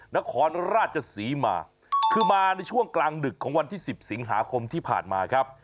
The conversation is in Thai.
นครราชศรีมาคือมาในช่วงกลางดึกของวันที่๑๐สิงหาคมที่ผ่านมาครับ